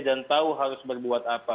dan tahu harus berbuat apa